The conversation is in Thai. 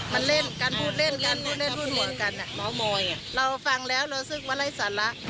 มันเล่นกันพูดเล่นกันพูดเล่นพูดหัวกันอ่ะเราฟังแล้วเราซึกว่าอะไรสันละ